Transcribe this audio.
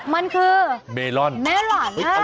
มิชุนา